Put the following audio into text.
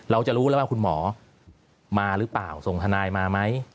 เราจะรู้แล้วว่าคุณหมอมาหรือเปล่าส่งทนายมาไหม